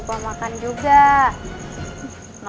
hah gak usah jangan